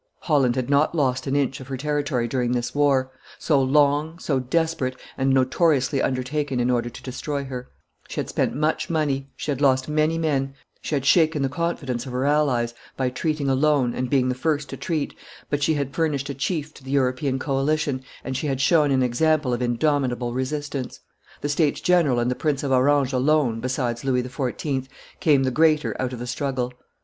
Holland had not lost an inch of her territory during this war; so long, so desperate, and notoriously undertaken in order to destroy her; she had spent much money, she had lost many men, she had shaken the confidence of her allies by treating alone and being the first to treat, but she had furnished a chief to the European coalition, and she had shown an example of indomitable resistance; the States General and the Prince of Orange alone, besides Louis XIV., came the greater out of the struggle.